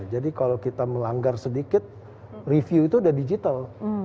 jadi kalau kita melanggar sedikit review itu sudah digital